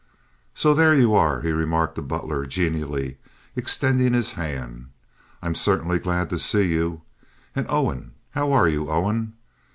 "So there you are," he remarked to Butler, genially, extending his hand. "I'm certainly glad to see you. And Owen! How are you, Owen?